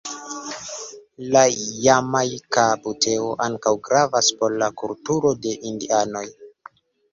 La Jamajka buteo ankaŭ gravas por la kulturo de indianoj.